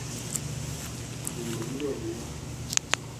普龙勒鲁瓦。